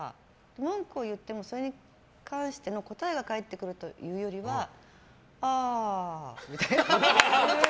文句を言っても、それに関して答えが返ってくるというよりはああみたいな。